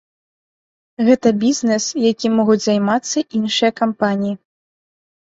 Гэта бізнес, якім могуць займацца іншыя кампаніі.